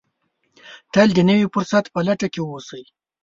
تل د نوي فرصت په لټه کې اوسئ.